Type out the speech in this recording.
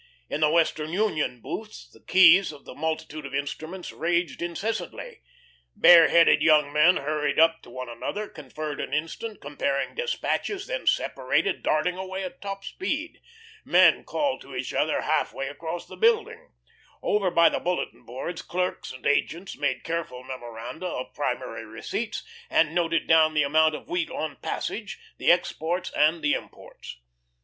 In the Western Union booths the keys of the multitude of instruments raged incessantly. Bare headed young men hurried up to one another, conferred an instant comparing despatches, then separated, darting away at top speed. Men called to each other half way across the building. Over by the bulletin boards clerks and agents made careful memoranda of primary receipts, and noted down the amount of wheat on passage, the exports and the imports.